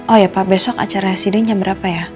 oh ya pak besok acara residen jam berapa ya